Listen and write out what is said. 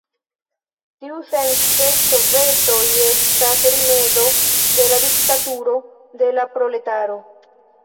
Tiusence sovetoj estas rimedo de la diktaturo de la proletaro.